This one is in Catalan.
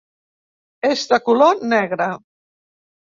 És de color negre.